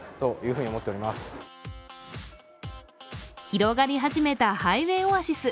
広がり始めたハイウェイオアシス。